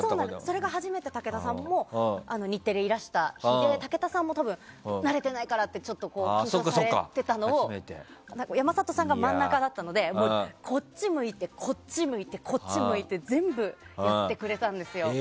それが初めて武田さんも日テレにいらした日で武田さんも慣れてないからって緊張されてたのを山里さんが真ん中だったのでこっち向いてこっち向いてこっち向いて、全部やってくれたんですよ。